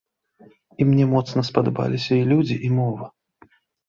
І мне моцна спадабаліся і людзі, і мова.